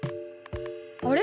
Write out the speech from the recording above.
あれ？